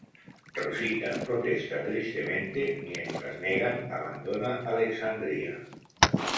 Rosita protesta tristemente mientras Negan abandona Alexandría.